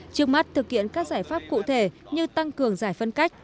trước mắt thực hiện các giải pháp cụ thể như tăng cường giải phân cách